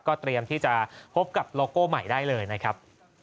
เตรียมที่จะพบกับโลโก้ใหม่ได้เลยนะครับ